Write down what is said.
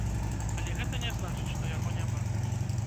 Але гэта не значыць, што яго няма.